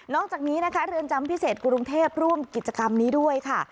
จากนี้นะคะเรือนจำพิเศษกรุงเทพร่วมกิจกรรมนี้ด้วยค่ะ